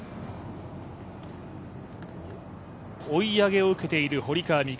追い上げを受けている堀川未来